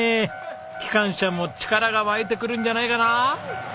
機関車も力が湧いてくるんじゃないかな？